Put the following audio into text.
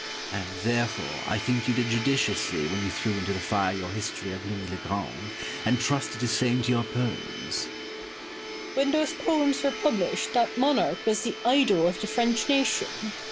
And, therefore, I think you did judiciously when you threw into the fire your history of Louis le Grand, and trusted his fame to your poems. Boileau. When those poems were published that monarch was the idol of the French nation.